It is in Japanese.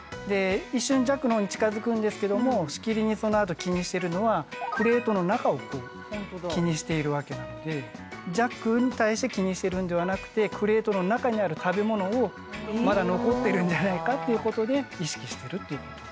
一瞬ジャックの方に近づくんですけどもしきりにそのあと気にしてるのはクレートの中を気にしているわけなのでジャックに対して気にしてるんではなくてクレートの中にある食べ物をまだ残ってるんじゃないかっていうことで意識してるっていうこと。